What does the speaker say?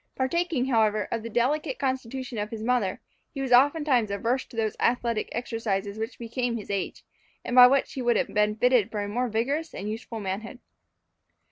Partaking, however, of the delicate constitution of his mother, he was oftentimes averse to those athletic exercises which became his age, and by which he would have been fitted for a more vigorous and useful manhood.